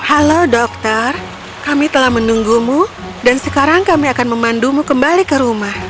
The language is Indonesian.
halo dokter kami telah menunggumu dan sekarang kami akan memandumu kembali ke rumah